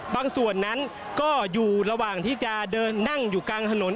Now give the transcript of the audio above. ส่วนนั้นก็อยู่ระหว่างที่จะเดินนั่งอยู่กลางถนน